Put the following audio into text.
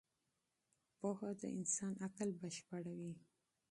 پوهه د انسان عقل بشپړوي.